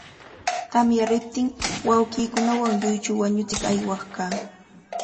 Tamyariptin, wawqiikunawan lluychu wañuchiq aywaq kaa.